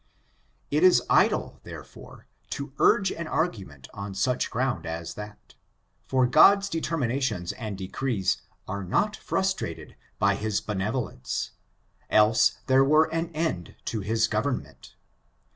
It is idle, therefore, to urge an argu ment on such ground as that : for God's determina tions and decrees are not frustrated by his benevo lence, else there were an end to his government.